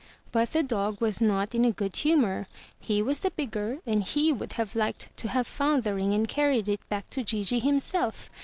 But the dog was not in a good humor. He was the bigger, and he would have liked to have found the ring and carried it back to Gigi himself.